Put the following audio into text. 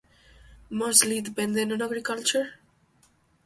Mostly dependent on agriculture.